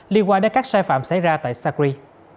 liên quan đến các sai phạm xảy ra tại sacri